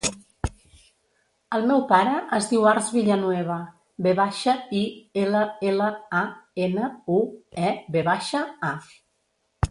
El meu pare es diu Arç Villanueva: ve baixa, i, ela, ela, a, ena, u, e, ve baixa, a.